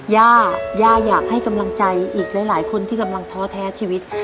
ย่าย่าอยากให้กำลังใจอีกหลายคนที่กำลังท้อแท้ชีวิต